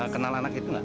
kenal anak itu enggak